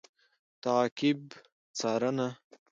تعقیب √څارنه